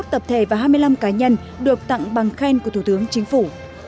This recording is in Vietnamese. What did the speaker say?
hai mươi tập thể và hai mươi năm cá nhân được tặng bằng khen của thủ tướng chính phủ